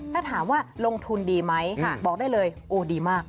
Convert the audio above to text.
ถ้าถามว่าลงทุนดีไหมบอกได้เลยโอ้ดีมาก